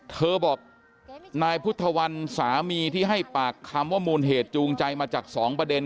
เธอบอกนายพุทธวันสามีที่ให้ปากคำว่ามูลเหตุจูงใจมาจากสองประเด็น